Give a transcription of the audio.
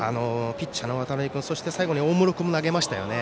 ピッチャーの渡辺君そして最後に大室君、投げましたよね。